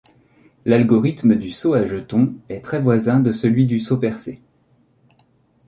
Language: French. L'algorithme du seau à jetons est très voisin de celui du seau percé.